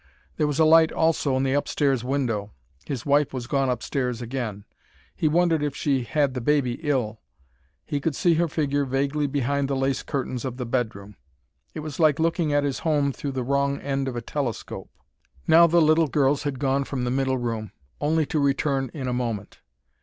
There was a light also in the upstairs window. His wife was gone upstairs again. He wondered if she had the baby ill. He could see her figure vaguely behind the lace curtains of the bedroom. It was like looking at his home through the wrong end of a telescope. Now the little girls had gone from the middle room: only to return in a moment.